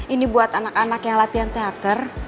ini buat anak anak yang latihan teater